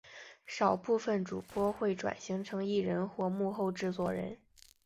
少部份主播会转型成艺人或幕后制作人。